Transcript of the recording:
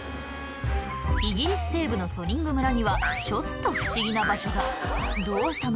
イギリス西部のソニング村にはちょっと不思議な場所がどうしたの？